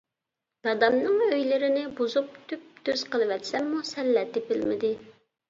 دادامنىڭ ئۆيلىرىنى بۇزۇپ، تۈپ-تۈز قىلىۋەتسەممۇ سەللە تېپىلمىدى.